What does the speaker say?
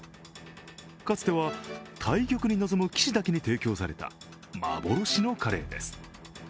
かつては対局に臨む棋士だけに提供された幻のカレーです。